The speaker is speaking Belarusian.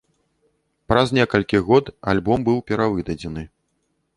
Праз некалькі год альбом быў перавыдадзены.